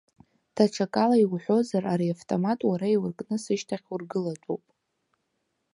Даҽакала иуҳәозар, ари автомат уара иуркны сышьҭахь ургылатәуп?